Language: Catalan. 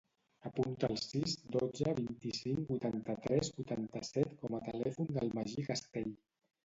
Apunta el sis, dotze, vint-i-cinc, vuitanta-tres, vuitanta-set com a telèfon del Magí Castell.